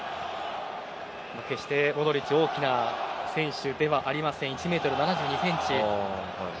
決してモドリッチ大きな選手ではありません１ｍ７２ｃｍ。